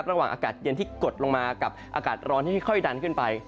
อากาศเย็นที่กดลงมากับอากาศร้อนที่ค่อยดันขึ้นไป